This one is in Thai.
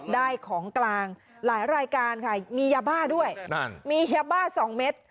ได้ของกลางหลายรายการค่ะมียาบ้าด้วยนั่นมียาบ้าสองเม็ด